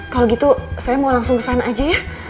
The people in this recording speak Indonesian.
kalau gitu saya mau langsung kesana aja ya